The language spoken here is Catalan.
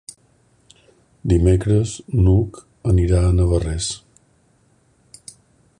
Dimecres n'Hug anirà a Navarrés.